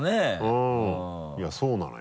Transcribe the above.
うんいやそうなのよ。